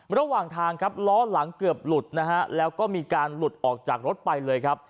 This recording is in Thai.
ระหว่างทางครับล้อหลังเกือบหลุดนะฮะแล้วก็มีการหลุดออกจากรถไปเลยครับ